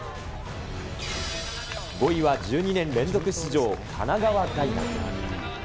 ５位は１２年連続出場、神奈川大学。